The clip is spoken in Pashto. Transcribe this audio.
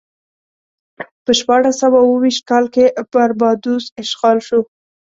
په شپاړس سوه اوه ویشت کال کې باربادوس اشغال شو.